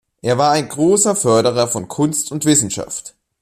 Er war ein großer Förderer von Kunst und Wissenschaft.